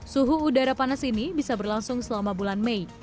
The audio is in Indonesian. suhu udara panas ini bisa berlangsung selama bulan mei